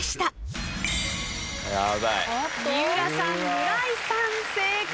三浦さん村井さん正解。